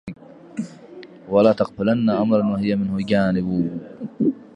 ولا تغفلن أمرا وهى منه جانب